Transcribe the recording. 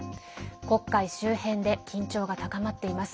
黒海周辺で緊張が高まっています。